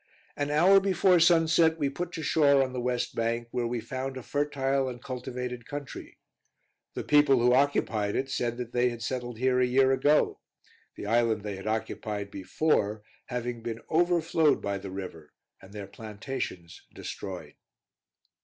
An hour before sunset we put to shore on the west bank, where we found a fertile and cultivated country. The people who occupied it, said that they had settled here a year ago; the island they had occupied before having been overflowed by the river, and their plantations destroyed.